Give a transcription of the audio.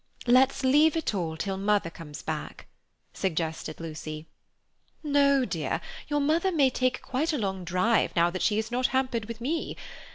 "Let's leave it all till mother comes back," suggested Lucy. "No, dear; your mother may take quite a long drive now that she is not hampered with me.